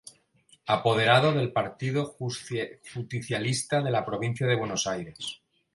Apoderado del Partido Justicialista de la Provincia de Buenos Aires.